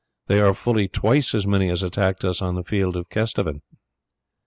There are full twice as many as attacked us on the field of Kesteven."